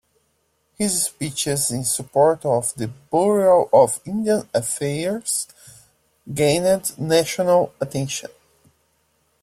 His speeches in support of the Bureau of Indian Affairs gained national attention.